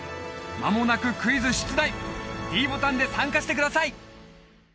間もなくクイズ出題ｄボタンで参加してください！